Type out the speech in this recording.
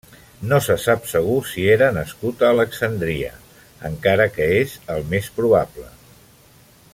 No se sap segur si era nascut a Alexandria encara que és el més probable.